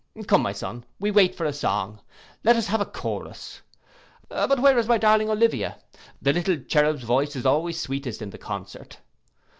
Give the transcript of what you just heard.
Come, my son, we wait for a song: let us have a chorus. But where is my darling Olivia? That little cherub's voice is always sweetest in the concert.